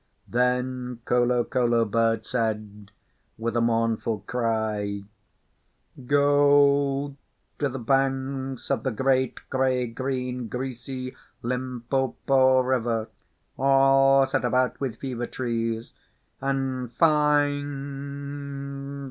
Then Kolokolo Bird said, with a mournful cry, 'Go to the banks of the great grey green, greasy Limpopo River, all set about with fever trees, and find out.